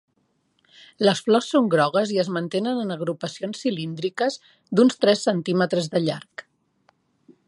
Les flors són grogues i es mantenen en agrupacions cilíndriques d'uns tres centímetres de llarg.